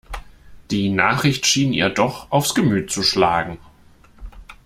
Die Nachricht schien ihr doch aufs Gemüt zu schlagen.